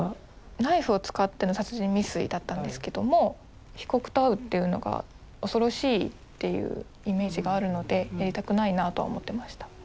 ナイフを使っての殺人未遂だったんですけども被告と会うっていうのが恐ろしいっていうイメージがあるのでやりたくないなとは思ってました。